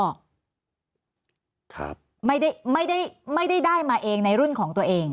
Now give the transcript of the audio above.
ครับไม่ได้ไม่ได้มาเองในรุ่นของตัวเอง